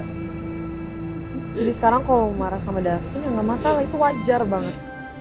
jadi sekarang kalau marah sama davin ya gak masalah itu wajar banget